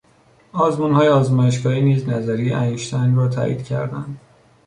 آزمونهای آزمایشگاهی نیز نظریهی انشتین را تایید کردند.